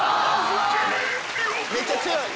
めっちゃ強い！